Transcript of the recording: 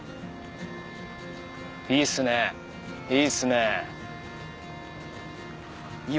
いいっすねいいっすね。